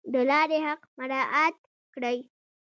د لارې حق مراعات کړئ